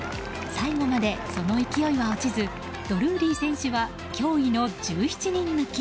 最後までその勢いは落ちずドルーリー選手は驚異の１７人抜き。